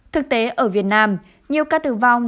thực tế ở việt nam nhiều ca tử vong